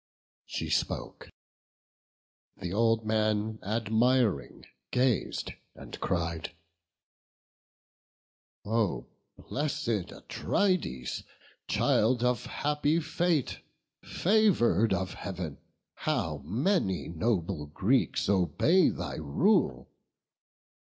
She spoke: th' old man admiring gaz'd, and cried, "Oh bless'd Atrides, child of happy fate, Favour'd of Heav'n! how many noble Greeks Obey thy rule!